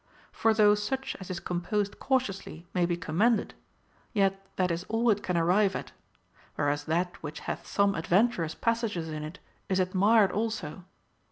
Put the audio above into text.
For though such as is composed cautiously may be commended, yet that is all it can arrive at ; Avhereas that which hath some adventurous passages in it is admired also.